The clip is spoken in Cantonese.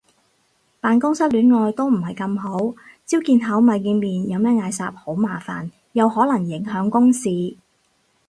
辦公室戀愛都唔係咁好，朝見口晚見面有咩嗌霎好麻煩，又可能影響公事